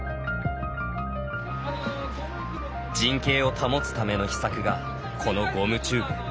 陣形を保つための秘策がこのゴムチューブ。